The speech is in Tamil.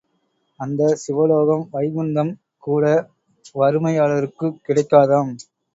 அந்தச் சிவலோகம் வைகுந்தம் கூட வறுமையாளருக்குக் கிடைக்காதாம்.